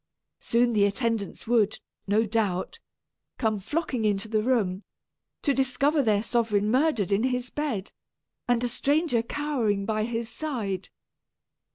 Soon the attendants would, no doubt, come flocking into the room, to discover their sovereign murdered in his bed, and a stranger cowering by his side.